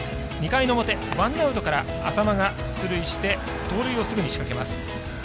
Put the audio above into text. ２回の表、ワンアウトから淺間が出塁して盗塁をすぐに仕掛けます。